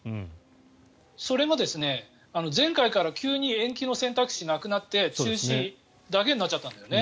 それが前回から急に延期の選択肢がなくなって中止だけになっちゃったんだよね。